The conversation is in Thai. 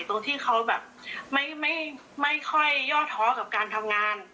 ตรงที่เขาแบบไม่ค่อยย่อท้อกับการทำงาน